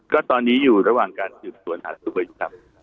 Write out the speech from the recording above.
ก็ตอนนี้อยู่ระหว่างการสืบสวนหาตัวอยู่ครับ